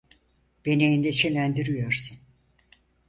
Beni endişelendiriyorsun.